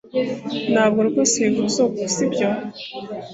Ntabwo rwose bivuze ko sibyo